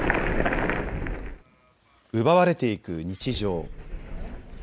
奪われていく日常。